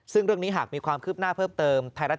ซึ่งเรื่องนี้หากมีความคืบหน้าเพิ่มเติมไทยรัฐ